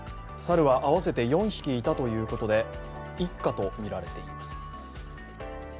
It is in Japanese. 猿は合わせて４匹いたということで一家とみられています。